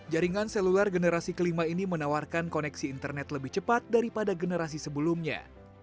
jaringan seluler generasi kelima ini menawarkan koneksi internet lebih cepat daripada generasi sebelumnya